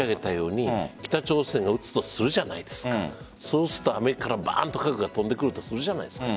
北朝鮮が撃つとするじゃないですかそうするとアメリカから核が飛んでくるとするじゃないですか。